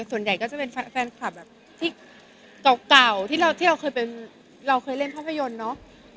ส่วนใหญ่ก็จะเป็นแฟนคลับแบบที่เก่าที่เราเคยเป็นเราเคยเล่นภาพยนตร์เนาะ